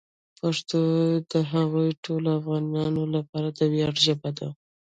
پښتو د هغو ټولو افغانانو لپاره د ویاړ ژبه ده.